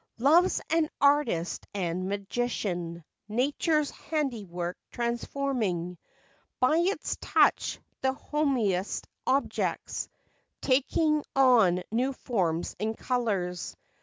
Love 's an artist and magician, Nature's handiwork transforming By its touch, the homeliest objects Taking on new forms and colors.